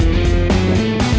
udah bocan mbak